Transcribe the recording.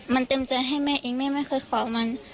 มันเต็มใจให้แม่เองแม่ไม่เคยขอมัน